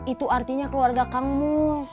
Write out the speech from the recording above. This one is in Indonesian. itu artinya keluarga kang mus